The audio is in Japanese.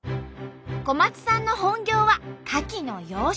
小松さんの本業はかきの養殖。